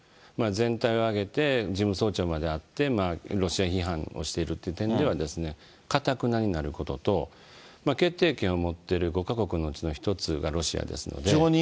全体を挙げて事務総長まであって、ロシア批判をしているという点ではですね、かたくなになることと、決定権を持ってる５か国のうちの１つがロシアですので。